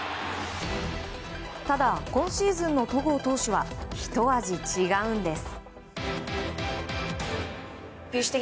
ただ、今シーズンの戸郷投手はひと味違うんです。